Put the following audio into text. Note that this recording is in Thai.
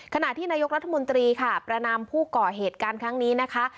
ขณะที่นายกรัฐมนตรีค่ะประนามผู้ก่อเหตุครั้งนี้นะคะ